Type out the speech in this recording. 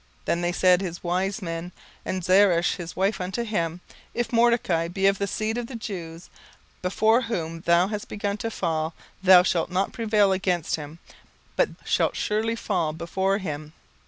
Then said his wise men and Zeresh his wife unto him, If Mordecai be of the seed of the Jews, before whom thou hast begun to fall, thou shalt not prevail against him, but shalt surely fall before him.